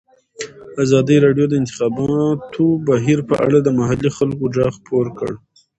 ازادي راډیو د د انتخاباتو بهیر په اړه د محلي خلکو غږ خپور کړی.